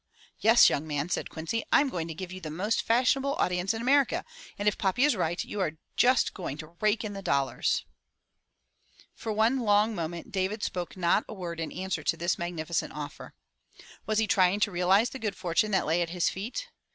'Yes, young man," said Quincy, "I'm going to give you the 198 FROM THE TOWER WINDOW most fashionable audience in America, and if Poppy is right, you are just going to rake in the dollars/' For one long moment David spoke not a word in answer to this magnificent offer. Was he trying to realize the good fortune that lay at his feet?